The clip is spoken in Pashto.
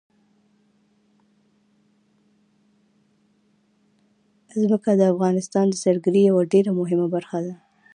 ځمکه د افغانستان د سیلګرۍ یوه ډېره مهمه برخه ده.